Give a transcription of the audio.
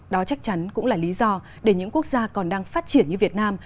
đó chắc chắn cũng là lý do để những quốc gia còn đang phát triển như việt nam